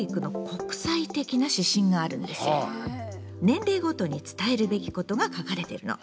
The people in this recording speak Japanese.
年齢ごとに伝えるべきことが書かれてるの。